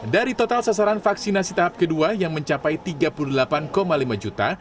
dari total sasaran vaksinasi tahap kedua yang mencapai tiga puluh delapan lima juta